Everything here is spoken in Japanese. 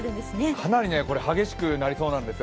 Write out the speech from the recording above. かなり激しくなりそうなんですよ。